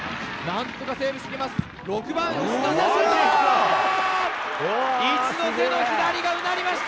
なんとかセーブしています。